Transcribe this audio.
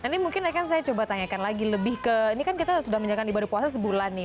nanti mungkin akan saya coba tanyakan lagi lebih ke ini kan kita sudah menjalankan ibadah puasa sebulan nih